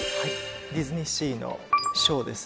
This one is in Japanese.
ディズニーシーのショーです